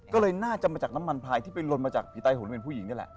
ก็เลยน่าจะมาจากน้ำมันพลายที่ไปลนมาจากผีใต้หลเป็นผู้หญิงนี่แหละ